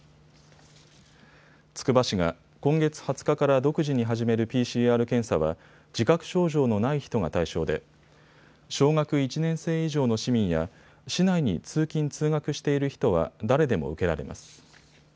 つくば市が今月２０日から独自に始めるＰＣＲ検査は自覚症状のない人が対象で小学１年生以上の市民や市内に通勤、通学している人は誰でも受けられます。